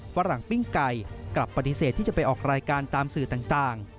ฝรั่งปิ้งไก่กลับปฏิเสธที่จะไปออกรายการตามสื่อต่าง